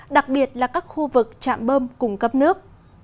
đặc biệt là các khu vực chạm bơm cung cấp nước